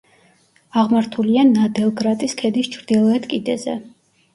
აღმართულია ნადელგრატის ქედის ჩრდილოეთ კიდეზე.